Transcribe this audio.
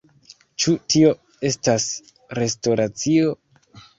Ĉu tio estas restoracio?